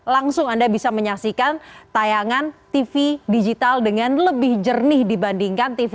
langsung anda bisa menyaksikan tayangan tv digital dengan lebih jernih dibandingkan tv